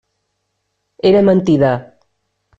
Era mentida.